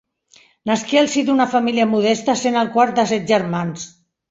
Nasqué al si d'una família modesta sent el quart de set germans.